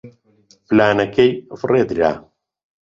پلانەکەی فڕێ درا.